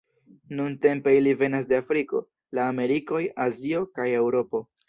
Nuntempe ili venas de Afriko, la Amerikoj, Azio kaj Eŭropo.